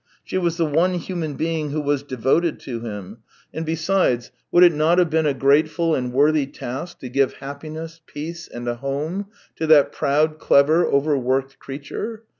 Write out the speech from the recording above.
She was the one human being who was devoted to him; and, besides, would it not have been a grateful and worthy task to give happiness, peace, and a home to that proud, clever, over worked creature